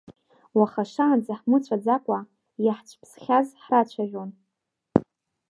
Уаха шаанӡа ҳмыцәаӡакәа иаҳцәԥсхьаз ҳрацәажәон.